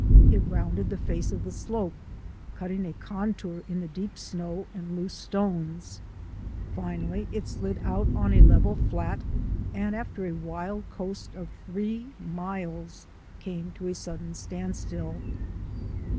It rounded the face of the slope, cutting a contour in the deep snow and loose stones. n6 THE ADVENTURES OF A NATURE GUIDE Finally it slid out on a level flat and after a wild coast of three miles came to a sudden standstill.